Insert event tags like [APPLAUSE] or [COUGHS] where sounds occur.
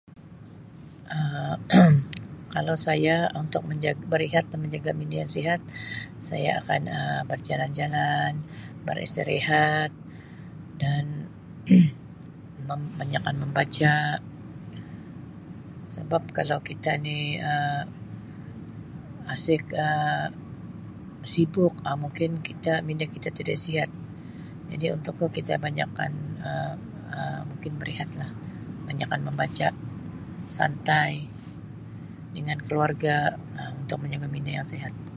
Um [COUGHS] Kalau saya untuk menjaga berehat menjaga minda yang sihat saya akan Um berjalan-jalan beristirehat dan [COUGHS] banyakkan membaca sebab kalau kita ni Um asik Um sibuk mungkin minda kita tidak sihat jadi untuk tu kita banyakkan untuk Um mungkin berehatlah banyakkan membaca santai dengan keluarga untuk menjaga minda yang sihat.